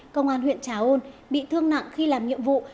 công an huyện trà ôn bị thương nặng khi làm nhiệm vụ